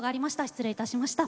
失礼いたしました。